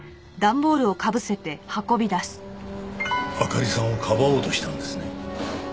あかりさんをかばおうとしたんですね？